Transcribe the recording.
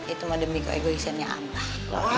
itu mah demi keegoisiannya abah